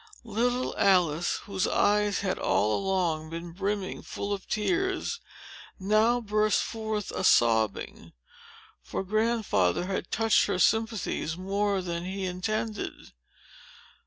Little Alice, whose eyes had, all along, been brimming full of tears, now burst forth a sobbing; for Grandfather had touched her sympathies more than he intended.